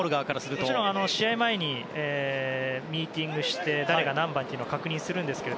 もちろん、試合前にミーティングして誰が何番というのは確認しますが。